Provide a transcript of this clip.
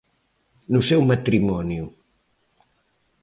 No seu matrimonio.